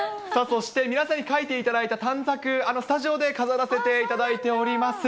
そして、皆さんに書いていただいた短冊、スタジオで飾らせていただいております。